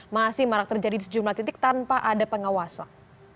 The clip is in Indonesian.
masih marak terjadi di sejumlah titik tanpa ada pengawasan